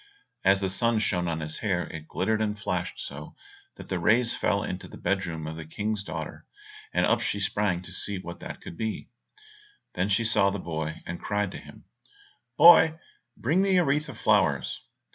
As the sun shone on his hair it glittered and flashed so that the rays fell into the bed room of the King's daughter, and up she sprang to see what that could be. Then she saw the boy, and cried to him, "Boy, bring me a wreath of flowers."